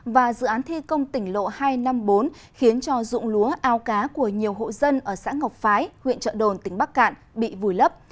và dự án thi công tỉnh lộ hai trăm năm mươi bốn khiến cho dụng lúa ao cá của nhiều hộ dân ở xã ngọc phái huyện trợ đồn tỉnh bắc cạn bị vùi lấp